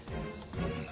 うん。